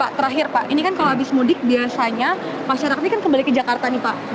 pak terakhir pak ini kan kalau habis mudik biasanya masyarakat ini kan kembali ke jakarta nih pak